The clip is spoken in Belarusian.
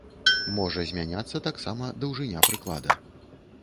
Можа змяняцца таксама даўжыня прыклада.